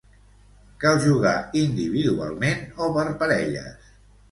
Cal jugar individualment o per parelles.